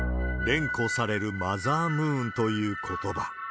連呼されるマザームーンということば。